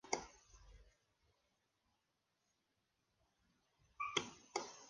Es un vídeo que presenta a una Merche sencillamente estelar.